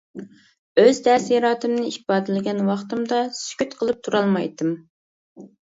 ئۆز تەسىراتىمنى ئىپادىلىگەن ۋاقتىمدا سۈكۈت قىلىپ تۇرالمايتتىم.